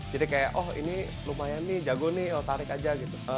jadi kayak oh ini lumayan nih jago nih tarik aja gitu